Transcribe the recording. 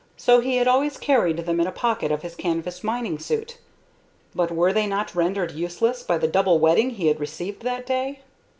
So he had always carried them in a pocket of his canvas mining suit. But were they not rendered useless by the double wetting he had received that day?